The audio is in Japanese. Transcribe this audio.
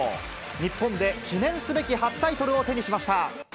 日本で記念すべき初タイトルを手にしました。